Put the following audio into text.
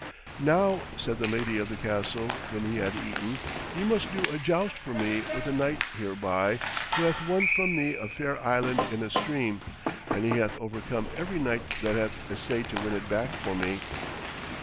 'Now,' said the lady of the castle, when he had eaten, 'ye must do a joust for me with a knight hereby who hath won from me a fair island in a stream, and he hath overcome every knight that hath essayed to win it back for me.'